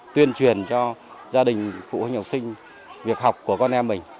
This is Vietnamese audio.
tuyên truyền cho gia đình phụ huynh học sinh việc học của con em mình